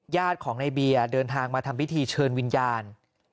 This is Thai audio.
ญาติของในเบียร์เดินทางมาทำพิธีเชิญวิญญาณ